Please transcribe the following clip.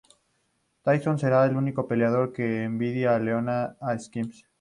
Tyson sería el único peleador en enviar a la lona a Spinks.